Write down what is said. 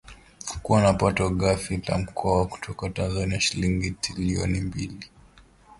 Kukua kwa pato ghafi la Mkoa kutoka Tanzania shilingi tilioni mbili